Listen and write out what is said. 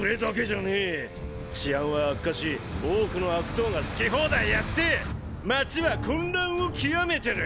治安は悪化し多くの悪党が好き放題やって街は混乱を極めてる！